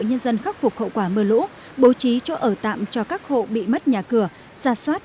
nhân dân khắc phục hậu quả mưa lũ bố trí chỗ ở tạm cho các hộ bị mất nhà cửa xa xoát